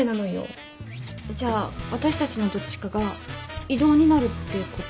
じゃあ私たちのどっちかが異動になるってこと？